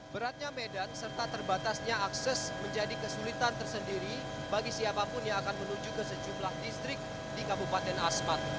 beratnya medan serta terbatasnya akses menjadi kesulitan tersendiri bagi siapapun yang akan menuju ke sejumlah distrik di kabupaten asmat